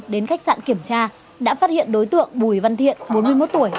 đến khách sạn kiểm tra đã phát hiện đối tượng bùi văn thiện bốn mươi một tuổi